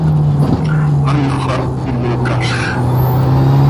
Anàxö xah iyocazx.